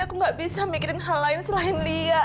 aku gak bisa mikirin hal lain selain lia